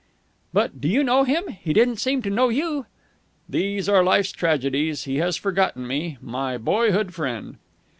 "But do you know him? He didn't seem to know you." "These are life's tragedies He has forgotten me. My boyhood friend!"